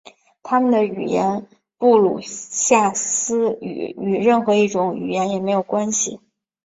他们的语言布鲁夏斯基语与任何一种语言也没关系。